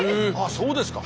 そうですか。